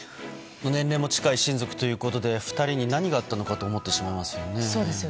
年齢も近い親族ということで２人に何があったのかと思ってしまいますよね。